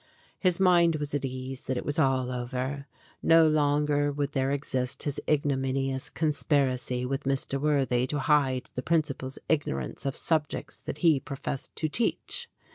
His mind was at ease that it was all over. No longer would there exist his ignominious conspiracy with Mr. Worthy to hide the principal's ignorance of subjects that he professed to teach.